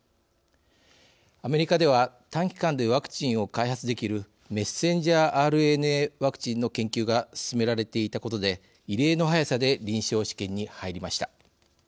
アメリカでは短期間でワクチンを開発できるメッセンジャーＲＮＡワクチンの研究が進められていたことで異例の速さで臨床試験に入りました。